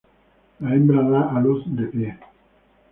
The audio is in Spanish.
La hembra da a luz de pie.